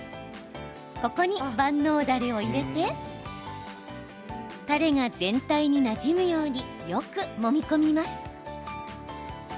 ここに万能だれを入れてたれが全体になじむようによく、もみ込みます。